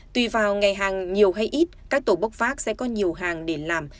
tùy vào ngày hàng nhiều hay ít các tổ bốc phát sẽ có nhiều hàng để làm